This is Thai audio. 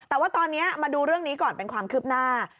แต่ว่าตอนนี้มาดูเรื่องนี้ก่อนเป็นความคืบหน้า